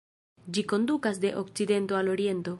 Ĝi kondukas de okcidento al oriento.